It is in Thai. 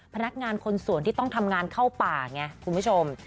พนักงานคนสวนที่ต้องทำงานเข้าป่าไงคุณผู้ชม